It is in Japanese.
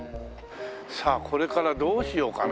さあこれからどうしようかな？